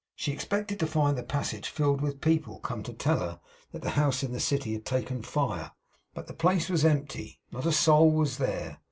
She expected to find the passage filled with people, come to tell her that the house in the city had taken fire. But the place was empty; not a soul was there.